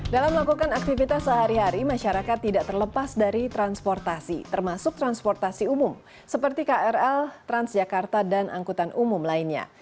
dalam melakukan aktivitas sehari hari masyarakat tidak terlepas dari transportasi termasuk transportasi umum seperti krl transjakarta dan angkutan umum lainnya